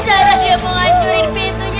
zara dia menghancurin pintunya